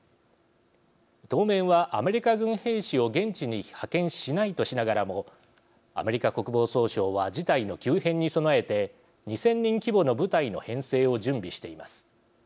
当面はアメリカ軍兵士を現地に派遣しないとしながらもアメリカ国防総省は事態の急変に備えて２，０００人規模の部隊の編成を準備しています。